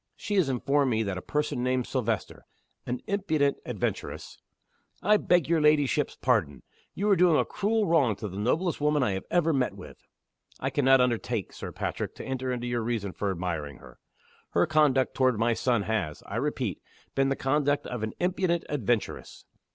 She has informed me that a person named Silvester, an impudent adventuress " "I beg your ladyship's pardon. You are doing a cruel wrong to the noblest woman I have ever met with." "I can not undertake, Sir Patrick, to enter into your reasons for admiring her. Her conduct toward my son has, I repeat, been the conduct of an impudent adventuress."